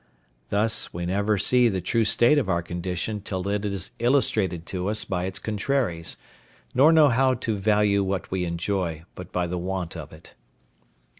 Thus, we never see the true state of our condition till it is illustrated to us by its contraries, nor know how to value what we enjoy, but by the want of it.